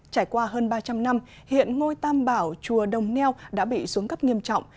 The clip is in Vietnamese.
trải qua hơn ba trăm linh năm hiện ngôi tam bảo chùa đồng neo đã bị xuống cấp nghiêm trọng